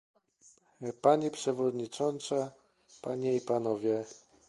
Pani przewodnicząca, panie i panowie!